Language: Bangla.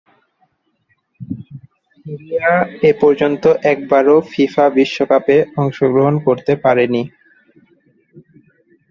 সিরিয়া এপর্যন্ত একবারও ফিফা বিশ্বকাপে অংশগ্রহণ করতে পারেনি।